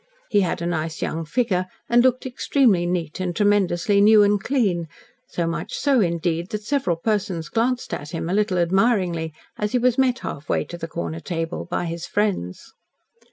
He had a nice young figure, and looked extremely neat and tremendously new and clean, so much so, indeed, that several persons glanced at him a little admiringly as he was met half way to the corner table by his friends.